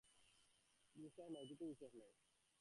বিশ্বাস নাই, কিছুই বিশ্বাস নাই।